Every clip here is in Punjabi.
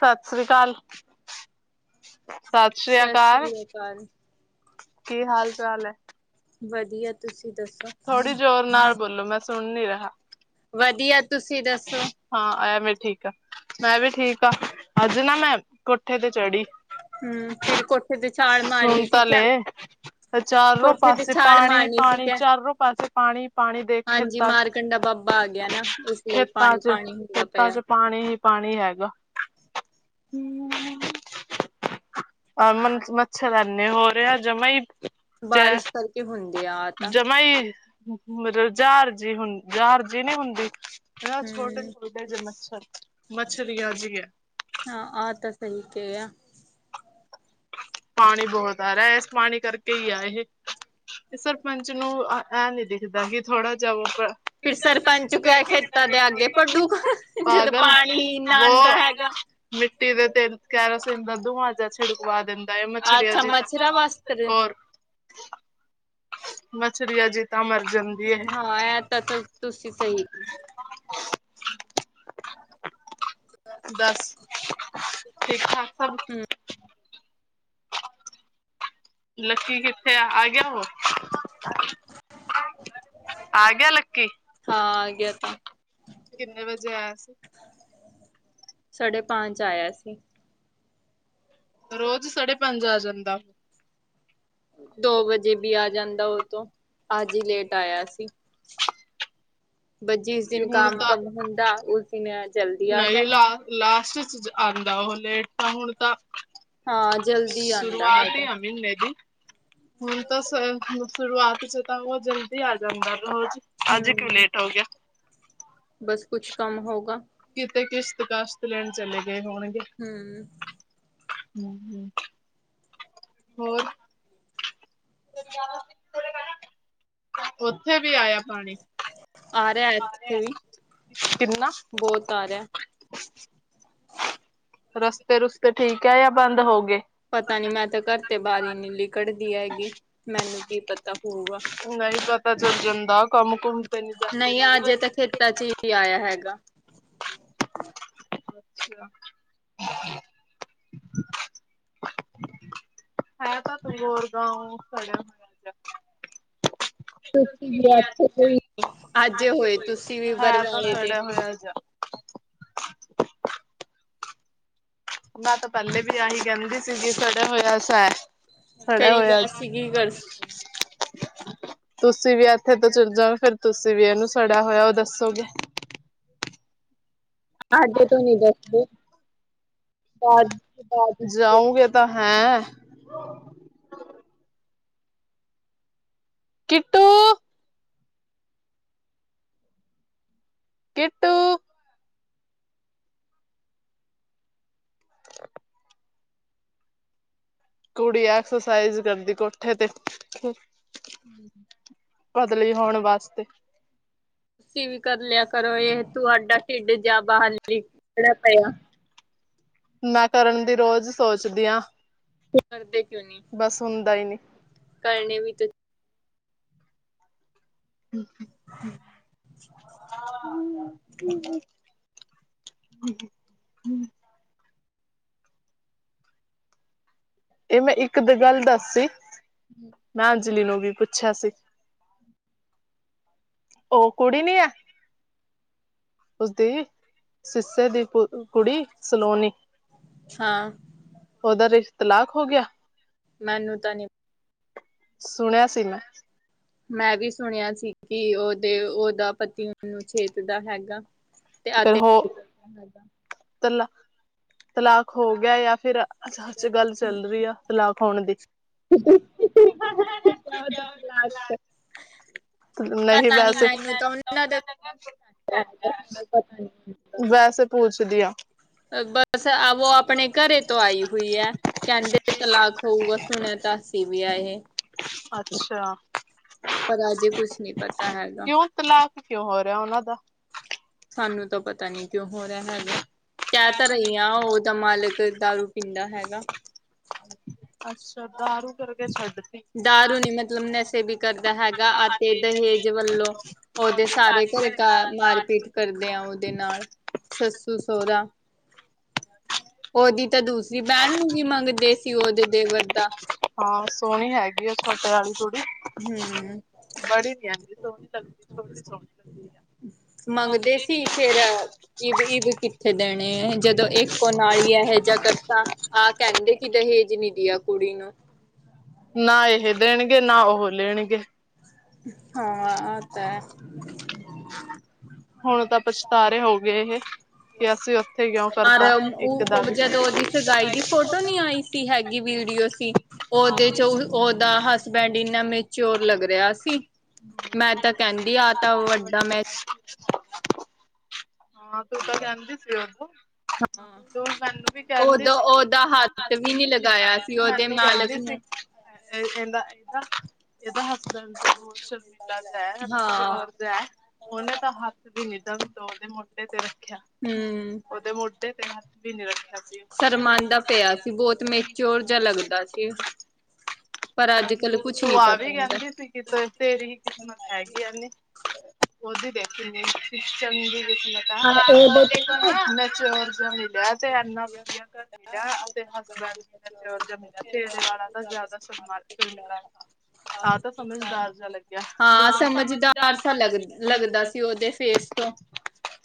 ਸਾਸਰੀ ਕਾਲ। ਸ਼ਾਸਰੀ ਸਤਿ ਅਕਾਲ ਸ੍ਰੀ ਅਕਾਲ ਕੀ ਹਾਲ-ਚਾਲ ਏ। ਵਧੀਆ ਤੁਸੀਂ ਦੱਸੋ? ਸੁਨ ਨੀ ਰਿਹਾ। ਵਦੀਆ ਤੁਸੀ ਦੱਸੋ। ਹਾਂ ਐਵੇ ਠੀਕ ਆ, ਮੈਂ ਵੀ ਠੀਕ ਆ, ਆੱਜ ਨਾ ਮੈਂ ਕੋਠੇ ਤੇ ਚੜੀ। ਹੂੰ, ਫਿਰ ਕੋਠੇ ਤੇ ਛਾਲ ਮਾਰਨੀ ਸੀ ਕਯਾ? ਅਚਾਰੋ ਪਾਸੇ ਮਾਰਨੀ ਸੀ ਪਾਣੀ-ਪਾਣੀ। ਕਿਆ ਚਾਰੋ ਪਾਸੇ ਪਾਣੀ-ਪਾਣੀ ਦੇ ਹਾਂਜੀ ਖੇਤਾਂ ਚ, ਮਾਰਕੰਡਾ ਬਾਬਾ ਆ ਗਿਆ ਨਾ ਇਸ ਲਈ ਖੇਤ। ਪਾਣੀ ਤਾਜੇ ਪਾਣੀ ਹੁੰਦਾ ਖੇਤਾ ਪਿਆ ਚੋ ਪਾਣੀ ਈ ਪਾਣੀ ਹੈਗਾ ਹੂੰ, ਹੂੰ। ਆ ਮ ਮੱਛਰ ਐਨੇ ਹੋਰੇਐ ਜਮਾ ਈ। ਬਾਰਿਸ਼ ਕਰਕੇ ਹੁੰਦੇ ਯਾਰ। ਜਮਾ ਈ ਮਲਬ ਜਾਰਜੀ ਹੁਨ ਜਾਰਜੀ ਨੀ ਹੁੰਦੀ। [unintelligible] ਹਮ ਛੋਟੇ-ਛੋਟੇ ਜੇ ਮੱਛਰ ਮੱਛਰੀਆਂ ਜੀ ਐ। ਹਾਂ ਆ ਤਾਂ ਸਈ ਕੇਆ। ਪਾਣੀ ਬੋਹਤ ਆਰੇਆ ਏਸ ਪਾਣੀ ਕਰਕੇ ਈ ਆ ਏਹ, ਸਰਪੰਚ ਨੂੰ ਐਂ ਨੀ ਦਿੱਖ ਦਾ ਕੀ ਥੋੜਾ ਜਾ‌ ਉਪਰ ਫਿਰ ਸਰਪੰਚ ਗਿਆ ਖੇਤਾਂ ਦੇ ਅੱਗੇ ਪੱਡੂ ਜਦੋਂ ਪਾਗਲ ਪਾਣੀ [unintelligible] ਨਾ ਵੋ ਆਉਂਦਾ ਹੈਗਾ ਮਿੱਟੀ ਦੇ ਤੇ ਕੈਰਾਸੀਨ ਦਾ ਧੂੰਆਂ ਜਾ ਛਿੜਕਵਾ ਦਿਂ [unintelligible] ਮਛੜੇਆ ਅੱਛਾ ਜੇ ਮੱਛਰਾਂ ਵਾਸਤੇ ਓਰ। ਮਛਰੀ ਆ ਜੀ ਤਾਂ ਮਰਜਨ ਹਾਂ ਏ ਤਾਂ-ਤਾਂ ਤੁਸੀ ਸਈ ਦਾੱਸ ਠੀਕ-ਠਾਕ ਸਭ? ਲੱਕੀ ਕਿਥੇ ਆਗੇਆ ਓਰ। ਆਗੇਆ ਲੱਕੀ। ਹਾਂ ਆ ਗਿਆ ਤਾਂ ਕਿੰਨੇ ਵਜੇ ਆਏਆ ਸੀ। ਸਾਢੇ ਪਾੰਚ ਆਏਆ ਸੀ। ਰੋਜ ਸਾਢੇ ਪਾੰਜ ਆ ਜਾਂਦਾ। ਦੋ ਵਜੇ ਵੀ ਆ ਜਾਂਦਾ ਓ ਤੋਂ ਆੱਜ ਹੀ ਲੇਟ ਆਏਆ ਸੀ। ਬਸ ਜਿਸ ਤੇ ਦਿਨ ਹੁਣ ਕਾਮ ਕੰਮ ਹੁੰਦਾ ਉਸ ਦਿਨ ਏ ਜਲ ਨਈ ਲਾ ਲਾਸਟ ਚ ਆਂਦਾ ਓ ਲੇਟ ਤਾ ਹੁਣ ਤਾ ਹਾਂ ਜਲਦੀ ਆਂਦਾ ਸ਼ੁਰੂਆਤ ਹੈਗਾ ਆ ਮੀਨੇ ਦੀ ਹੁਨ ਤਾ‌ ਸ ਸ਼ੁਰੂਆਤ ਚ ਤਾ ਓ ਜਲਦੀ ਆ ਜਾਂਦਾ ਰੋਜ਼ ਆੱਜ ਕਯੁ ਹੂੰ ਲੇਟ ਹੋਗੇਆ। ਬਸ ਕੁਛ ਕਾਘਮ ਹੋੳਗਾ। ਕਿਤੇ ਕਿਸ਼ਤ-ਕਾਸ਼ਤ ਲੈਣ ਚਲੇ ਗਏ ਹੋਣਗੇ। ਹੂੰ। [inaudible] ਹੋਰ [inaudible] ਓਥੇ ਵੀ ਆਏਆ ਪਾਣੀ ਆ ਰਿਹਾ ਇੱਥੇ ਵੀ ਕਿਨਾ ਬਹੁਤ ਆ ਰਿਹਾ ਰਸਤੇ-ਰੁਸਤੇ ਠੀਕ ਐ ਯਾ ਬੰਦ ਹੋਗੇ। ਪਤਾ ਨੀ ਮੈਂ ਤੋਂ ਘਰ ਤੇ ਬਾਰ ਈ ਨੀ ਲਿਕੜਦੀ ਹੈਗੀ, ਮੈਨੂੰ ਕੀ ਪਤਾ ਹੋਊਗਾ। ਨਈ ਪਤਾ ਚੱਲ ਜਾਂਦਾ ਕੰਮ-ਕੁੰਮ ਤੇ ਨੀ ਜਾਂਦੇ ਨੇ ਹਜੇ ਈ ਆਏਆ ਹੈਗਾ। ਅੱਛਾ। ਹੈ ਤਾ ਤੁ ਹੋਰ ਗਾਓ ਸੜੇਆ ਹੋਏਆ ਜਾ। ਤੁਸੀਂ ਵੀ ਇੱਥੇ, ਅੱਜ ਹੋਏ ਤੁਸੀਂ ਵੀ ਬਰਵਾਲੇ ਦੇ ਬੈਅ ਜਾ ਮੈਂ ਤਾਂ ਪਹਿਲੇ ਵੀ ਆਹੀ ਕਹਿੰਦੀ, ਸੀਗੀ ਸੜਿਆ ਹੋਇਆ ਸਾ ਹੈ। ਸੜਿਆ ਹੋਇਆ ਫੇਰ ਅੱਜ ਅਸੀਂ ਕੀ ਕਰ [inaudible] ਤੁਸੀਂ ਵੀ ਇੱਥੇ ਤੇ ਚੱਲ ਜਾਓ, ਫੇਰ ਤੁਸੀਂ ਵੀ ਇਹਨੂੰ ਸੜਿਆ ਹੋਇਆ ਉਹ ਦੱਸੋਗੇ। ਅੱਜ ਤ ਨੀ ਦੱਸਦੇ, ਬਾਦ ਬਾ ਜਾਊਗੇ ਤਾਂ ਹੈ ਕਿਟੋ ਕਿਟ [inaudible] ਕੁੜੀ ਐਕਸਰਸਾਈਜ਼ ਕਰਦੀ ਕੋਠੇ ਤੇ ਹਮ [inaudible] ਪਤਲੀ ਹੋਣ ਵਾਸਤੇ ਤੁਸੀਂ ਵੀ ਕਰ ਲਿਆ ਕਰੋ ਇਹ ਤੁੂਹਾਡਾ ਢਿੱਡ ਜਾ ਬਹਰ ਨਿਕਲੀਅ ਪਿਆ। ਮੈਂ ਕਰਨ ਦੀ ਰੋਜ਼ ਸੋਚਦੀ ਹਾਂ। ਕਰਦੇ ਕਿਉਂ ਨੀ, ਬਸ ਹੁੰਦਾ ਹੀ ਨਹੀਂ। ਕਰਨੇ ਵੀ ਤੇ [unintelligible] ਹ [inaudible] ਇਹ ਮੈਂ ਇੱਕ ਦ ਗੱਲ ਦੱਸੀ ਹਮ [inaudible] ਮੈਂ ਅੰਜਲੀ ਨੂੰ ਵੀ ਪੁੱਛਿਆ ਸੀ। ਉਹ ਕੁੜੀ ਨੀ ਆ ਉਸਦੀ ਸਿਸਟਰ ਦੀ ਕੁ ਕੁੜੀ ਸਲੋਨੀ ਹਾਂ। ਉਹਦਾ, ਰਿਸ਼ ਤਲਾਕ ਹੋ ਗਿਆ। ਮੈਨੂੰ ਤਾ ਨਹੀ ਸੁਣਿਆ ਸੀ ਮੈ ਮੈਂ ਵੀ ਸੁਣਿਆ ਸੀ, ਕਿ ਉਹਦੇ ਓਦਾ ਪਤੀ ਉਹਨੂੰ ਛੇਤ ਦਾ ਹੈਗਾ। ਤੇ ਆ ਤਲਾ---ਤਲਾਕ ਹੋ ਗਿਆ ਜਾਂ ਫਿਰ ਅੱਛਾ ਸੱਚ ਗੱਲ ਚੱਲ ਰਹੀ ਆ ਤਲਾਕ ਹੋਣ ਦੀ ਹ [inaudible] ਨਹੀਂ ਪਤਾ ਨੀ ਵੈਸੇ ਮੈਨੂੰ, ਤਾਂ ੳਹਨਾ ਦਾ ਵੈਸੇ ਪੁੂਛਦੀ ਆਂ। ਬਸ, ਔ ਅਪਣੇ ਘਰੇ ਤੋਂ ਆਈ ਹੁਈ ਹੈ। ਕਹਿੰਦੇ ਤਲਾਕ ਹੋੳਗਾ, ਸੁਣਿਆ ਤਾਂ ਅਸੀ ਵੀ ਆ ਇਹ। ਅੱਛਾ। ਪਰ ਅਜੇ ਕੁਛ ਨਹੀ ਪਤਾ ਹੈਗਾ। ਕਿਉਂ ਤਲਾਕ ਕਿਉਂ ਹੋ ਰਿਹਾ ਉਹਨਾਂ ਦਾ? ਸਾਨੂੰ ਤਾਂ ਪਤਾ ਨੀ ਕਿਉਂ ਹੋ ਰਿਹਾ ਹੈਗਾ? ਕਹ ਤਾਂ ਰਹੀ ਹਾਂ ਉਹਦਾ ਮਾਲਕ ਦਾਰੂ ਪੀਂਦਾ ਹੈਗਾ। ਅੱਛਾ, ਦਾਰੂ ਕਰਕੇ ਛੱਡ ਦਾਰੂ ਨੀ, ਮਤਲਬ ਨਸ਼ੇ ਵੀ ਕਰਦਾ ਹੈਗਾ ਆ ਤੇ ਦਹੇਜ ਵੱਲੋ ਉਹਦੇ ਸਾਰੇ ਘਰੇ ਮਾਰ ਪੀਟ ਕਰਦੇ ਆ ਉਹਦੇ ਨਾਲ ਸੱਸੂ, ਸੋਹਰਾ। ਉਹਦੀ ਤਾਂ ਦੂਸਰੀ ਬੈਣ ਨੂੰ ਵੀ ਮੰਗਦੇ ਸੀ ਉਹਦੇ ਦੇਵਰ ਦਾ ਹਾਂ ਸੋਹਣੀ ਹੈਗੀ ਔ ਛੋਟੇ ਵਾਲੀ ਕੁੜੀ ਹੂੰ ਬੜੀ ਨੀ ਏਨੀ ਸੋਹਣੀ ਲੱਗਦੀ, ਛੋਟੀ ਸੋਹਣੀ ਲੱਗਦੀ ਆ। ਮੰਗਦੇ ਸੀ ਫੇਰ, ਇਬ -ਇਬ ਕਿੱਥੇ ਦੇਣੇ ਜਦੋਂ ਇੱਕ ਹੁਣ ਆਈ ਹੈ ਇਹੋ ਜਿਆ ਕੀਤਾ। ਆਹ ਕਹਿੰਦੇ ਕਿ ਦਹੇਜ ਨੀ ਦੀਆ ਕੁੜੀ ਨੂੰ। ਨਾ ਇਹ ਦੇਣਗੇ, ਨਾ ਉਹ ਲੈਣਗੇ। ਹਾਂ, ਆ ਤੇ ਹੈ। ਹੁਣ ਤਾਂ ਪਛਤਾਰੇ ਹੋਗੇ ਇਹ ਕਿ ਅਸੀਂ ਉੱਥੇ ਕਿਉਂ ਪਰ ਕਰਤਾ ਉਹ ਇੱਕਦਮ ਜਦੋਂ ਉਹਦੀ ਸਗਾਈ ਦੀ ਫੋਟੋ ਨੀ ਆਈ ਸੀ ਹੈਗੀ ਵੀਡੀਓ ਸੀ। ਉਹਦੇ 'ਚ ੳਹ ਉਹਦਾ ਹਸਬੈਂਡ ਇੰਨਾ ਮੇਚਯੋਰ ਲੱਗ ਰਿਹਾ ਸੀ। ਮੈਂ ਤਾਂ ਕਹਿੰਦੀ ਆ ਏਹ ਤਾਂ ਵੱਡਾ ਮੈਂ ਹਾਂ, ਤੂੰ ਤਾਂ ਕਹਿੰਦੀ ਸੀ ੳ ਤੋ ੳਹ ਮੈਨੂੰ ਵੀ ਕਹਿੰਦੀ ਉਦੋਂ ਸੀ ਉਹ ਉਹਦਾ ਤਾਂ ਹੱਥ ਵੀ ਨੀ ਲਗਾਇਆ, ਸੀ ਉਹਦੇ ਮੈਨੂੰ ਮਾਲਕ ਕਹਿੰਦੀ ਸੀ ਨੇ ਇਹਦਾ, ਇਹਦਾ, ਇਹਦਾ ਹਸਬੈਂਡ ਦਾ ਹਾਂ ਲਗਦਾ ਹੈ, ਉਹਨੇ ਤਾਂ ਹੱਥ ਵੀ ਨੀ ਅਪਨੇ ਦਿੳਰ ਦੇ ਮੋਢੇ ਤੇ ਰੱਖਿਆ। ਹਮ ਉਹਦੇ ਮੋਡੇ ਤੇ ਹੱਥ ਵੀ ਨੀ ਰੱਖਿਆ। ਸੀ ਸਰਮਾਂਦਾ ਪਿਆ ਸੀ, ਬਹੁਤ ਮੇਚੱਯੋਰ ਜਿਹਾ ਲੱਗਦਾ ਸੀ। ਪਰ ਅੱਜ ਕੱਲ ਤੂੰ ਕੁਛ ਨੀ ਤੂੰ ਆਪ ਪਤਾ ਹੀ ਹੁੰਦਾ ਕਹਿੰਦੀ ਸੀ ਕਿ ਤੇਰੀ ਕਿਸਮਤ ਹੈਗੀ ਏਂਝ ਦੀ, ਉਹਦੀ ਦੇਖ ਕਿੰਨੀ ਚੰਗੀ ਲਿਖੀ ਏ- ਮੈਂ ਹਾਂ ਆਪ ੳ ਉਹਦੇ ਤੇ ਦੇਖਿਆ ਨਾ, ਮੈਚੱਯੋਰ ਜਾ ਮਿਲਿਆ। ਤੇ ਇਨਾ ਵਧੀਆ ਘਰ ਮਿਲਿਆ, ਤੇ ਹਸਬੈਂਡ ਮੇਚੱਯੋਰ ਜਾ ਮਿਲਿਆ। ਤੇਰੇ ਵਾਲਾ ਦਾ ਜ਼ਿਆਦਾ ਸਮਝਦਾਰ ਆ ਤਾਂ ਸਮਝਦਾਰ ਜਿਹਾ ਲੱਗਿਆ, ਹਾਂ ਸਮਝਦਾਰ ਸਾ ਤਾਂ ਲੱਗ ਲੱਗਦਾ ਸੀ। ਉਹਦੇ ਫੇਸ ਤੋਂ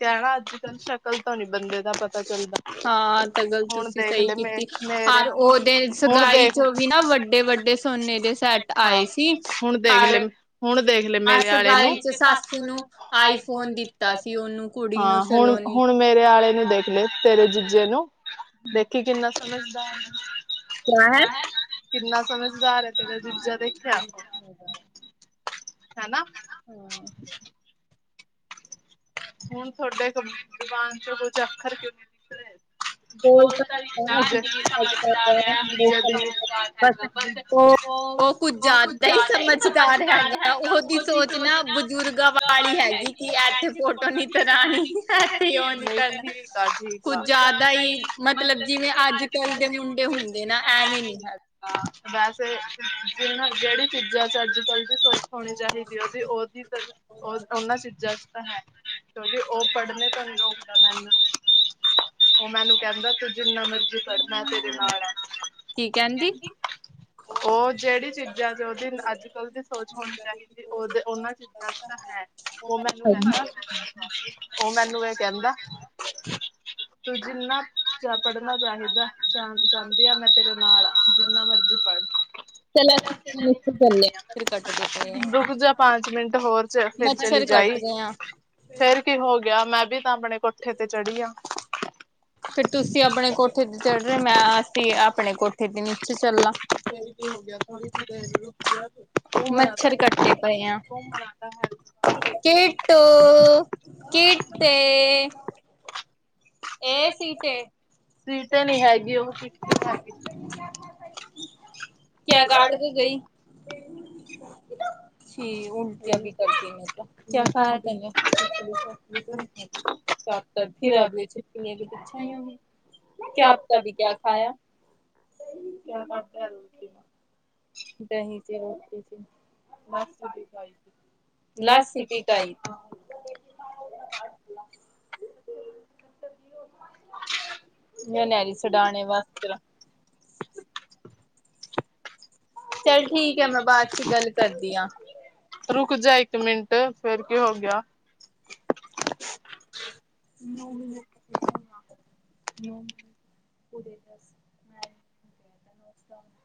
ਕਹਿਨਾ ਅੱਜ- ਕੱਲ ਸ਼ਕਲ ਤੋ ਨੀ ਬੰਦੇ ਦਾ ਪਤਾ ਚੱਲਦਾ। ਹਾਂ ਆ ਗੱਲ ਹੁਣ ਤੁਸੀਂ ਦੇਖ ਸਹੀ ਲੈ ਮੇ ਕੀਤੀ, ਮੇਰੇ ਔਰ ਉਹਦੇ ਹੁਣ ਸਗਾਈ ਦੇਖ 'ਚੋਂ ਵੀ ਨਾ ਵੱਡੇ -ਵੱਡੇ ਸੋਨੇ ਦੇ ਸੈਟ ਹਾਂ ਆਏ ਸੀ, ਹੁਣ ਦੇਖ ਔਰ ਲੈ ਹੁਣ ਦੇਖ ਲੈ ਔਰ ਮੇਰੇ ਆਲੇ ਸਗਾਈ 'ਚ ਨੂੰ ਸਸ ਨੂੰ ਆਈਫੋਨ ਦਿੱਤਾ ਸੀ ਓਹਨੂੰ। ਕੁੜੀਆ ਹਾਂ ਹੁਣ ਸਲੋਨੀ ਹੁਣ ਮੇਰੇ ਆਲੇ ਨੂੰ ਦੇਖ ਲੇ ਤੇਰੇ ਜੀਜੇ ਨੂੰ, ਦੇਖੀ ਕਿੰਨਾ ਸੋਹਣਾ ਕਿਆ ਹੈ ਕਿੰਨਾ ਸੋਹਣਾ ਸੁਧਾਰਿਆ ਤੇਰਾ ਜੀਜਾ ਦੇਖਿਆ ਏ ਤਾਂ ਹੈਨਾ। ਹਾਂ। ਹੁਣ ਤੁਹਾਡੇ, ਜੁਬਾਨ 'ਚ ਕੁਛ ਅੱਖਰ ਕਿਉਂ ਨਹੀ ਨਿਕਲੇ ਬੋਲ ਤਾਂ ਦਿੱਤਾ ਸਮਝਦਾਰ ਏ [unintelligible] ਬਸ ਹੈਗਾ ਬ, ਉਹ, ਉਹ ਕੁਝ ਜ਼ਿਆਦਾ ਹੀ ਸਮਝਦਾਰ ਹੈਗਾ ਉਹਦੀ ਸੋਚ ਨਾ ਦੁਰਗਾ ਵਾਲੀ ਹੈਗੀਥੇੋਟ [unintelligible] ਠੀਕ ਆ [unintelligible] ਦਾ ਹੀ, ਮਤਲਬ ਜਿਵੇਂ ਅੱਜ- ਕੱਲ ਦੇ ਮੁੰਡੇ ਹੁੰਦੇ ਨਾ ਐਵੇਂ ਨੀ ਹੈਗੇ ਵੈਸੇ, ਜਿਣ ਜਿਹੜੀ ਚੀਜ਼ਾਂ 'ਚ ਅੱਜ -ਕੱਲ ਦੀ ਸੋਚ ਹੋਣੀ ਚਾਹੀਦੀ, ਉਹਦੀ, ਉਹਦੀ ਤਾਂ ਉਹ, ਉਹਨਾਂ ਚੀਜ਼ਾਂ 'ਚ ਤਾਂ ਹੈ ਕਿਉਂਕਿ ਉਹ ਪੜ੍ਹਨੇ ਤੋਂ ਨ ਰੋਕਦਾ ਮੈਨੂੰ ਉਹ ਮੈਨੂੰ ਕਹਿੰਦਾ ਤੂੰ ਜਿੰਨਾ ਮਰਜ਼ੀ ਪੜਨਾ, ਮੈਂ ਤੇਰੇ ਨਾਲ ਆ ਕੀ ਕੈਂਦੀ? ਉਹ ਜਿਹੜੀ ਚੀਜ਼ਾਂ ਚ ਉਹਦੀ ਅੱਜ ਕੱਲ ਦੀ ਸੋਚ ਹੋਣੀ [inaudible] ਚਾਹੀਦੀ ਉਹਦੇ ਉਹਨਾਂ ਚੀਜ਼ਾਂ ਚ ਤਾਂ [inaudible] ਓ ਮੈਨੂੰ ਐ ਕੈਂਦਾ ਤੂੰ ਜਿੰਨਾ ਚ ਪੜਨਾ ਚਾਹੀਦੈ, ਚਾ ਚਾਂਦੀ ਆ, ਮੈਂ ਤੇਰੇ ਨਾਲ ਆ, ਜਿੰਨਾ ਮਰਜੀ ਪੜ। [inaudible] [unintelligible] ਫਿਰ ਕਟਦੇ ਪਏ ਆਂ। ਰੂਕ ਜਾ ਪਾੰਚ ਮਿੰਟ ਹੋਰ। ਚ ਫਿਰ ਚਲੀ ਮੱਛਰ ਕੱਟ ਜਾਈ। ਰੇ ਆਂ। ਫੇਰ ਕੀ ਹੋ ਗੇਆ ਮੈਂ ਵੀ ਤਾਂ ਆਪਣੇ ਕੋਠੇ ਤੇ ਚੜੀ ਆਂ। ਫੇਰ ਤੂਸੀ ਅਪਣੇ ਕੋਠੇ ਤੇ ਚੜ ਰੇ, ਮੈਂ, ਅਸੀ ਆਪਣੇ ਕੋਠੇ ਤੇ ਨੀਚੇ ਚੱਲਾਂ। ਫੇਰ ਕੀ ਹੋ ਗਿਆ ਥੋੜੀ ਜੀ ਦੇਰ ਰੁਕ ਜਾ ਤੂੰ। [inaudible] ਘੁੰਮਣਾ ਤਾਂ ਮੱਛਰ ਕੱਟੇ ਹੈ ਪਏਂ ਆਂ। ਘੁੰਮਣਾ ਤਾਂ ਹੈ ਕਿਟੂ, ਕਿਟੇ ਏ ਸੀਟੇ ਸੀਟ ਨੀ ਹੈਗੀ ਓ [unintelligible] ਹੈਗੇ। [unintelligible] [unintelligible] [unintelligible] [unintelligible] ਦਹੀਂ ਚ ਰੋਟੀ ਸੀ [unintelligible] [unintelligible] [unintelligible] ਚੱਲ ਠੀਕ ਐ ਮੈਂ ਬਾਦ ਚ ਗੱਲ ਕਰਦੀ ਆਂ। ਰੁਕ ਜਾ ਇੱਕ ਮਿੰਟ ਫੇਰ ਕੀ ਹੋ ਗੇਆ। [inaudible] [inaudible]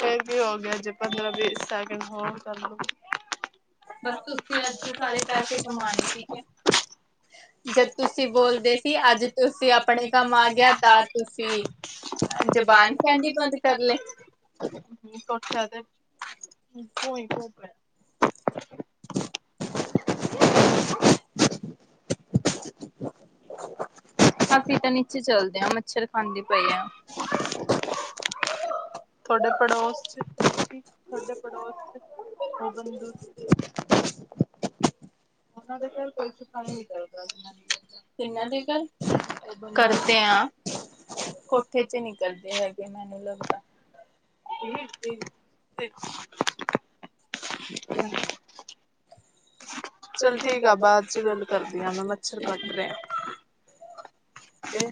ਫੇਰ ਕੀ ਹੋ ਗੇਆ ਜੇ ਪੰਦਰਾਂ-ਵੀ ਸੈਕਿੰਡ ਹੋਰ ਕਰ ਲੂ। ਬਸ ਬਾਸ ਤੁਸੀਂ ਤੂਸੀ ਅੱਜ ਆੱਜ ਸਾਰੇ ਪੈਸੇ ਕਮਾਣੇ ਕਮਾਨੇ, ਠੀਕ ਹੈ ਐ। ਜਦ ਤੁਸੀਂ ਤੂਸੀ ਬੋਲਦੇ ਸੀ, ਅੱਜ ਆੱਜ ਤੁਸੀਂ ਤੂਸੀ ਆਪਣੇ ਅਪਣੇ ਕੰਮ ਕਾੰਮ ਆ ਗਿਆ ਗੇਆ ਤਾ ਤਾਂ ਤੁਸੀਂ [unintelligible] ਅ ਜ਼ਬਾਨ ਜਬਾਨ ਕਹਿੰਦੀ ਕੈਂਦੀ ਬੰਦ ਕਰ ਲਏ ਕਰਲੇ? [inaudible] ਅਸੀਂ ਤਾਂ ਨੀਚੇ ਚੱਲਦੇ ਆਂ, ਮੱਛਰ ਖਾਂਦੇ ਪਏਂ ਆਂ। [inaudible] ਥੋਡੇ ਪੜੋਸ ਚ, ਥੋਡੇ ਪੜੋਸ ਚ [unintelligible] ਓਨਾਂ ਦੇ ਘਾਰ ਕੋਈ ਸਫਾਈ ਨੀ ਕਰਦਾ, ਜਿਨਾਂ ਦੀ ਕਿੰਨਾ ਦੇ ਘਾਰ, ਕਰਦੇ ਆਂ। ਕੋਠੇ ਚ ਨੀਕਲਦੇ ਹੈਗੇ, ਮੈਨੂੰ ਲੱਗਦਾ। [inaudible] ਚੱਲ ਠੀਕ ਆ ਐ, ਬਾਏ ਬਾਦ ਚੋ ਗਾੱਲ ਕਰਦੀ ਆਂ ਮੈਂ, ਮੱਛਰ ਕਾੱਟ ਰੇ ਐਂ। ਤੇ